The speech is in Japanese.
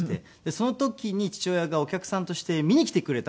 その時に父親がお客さんとして見に来てくれたんです。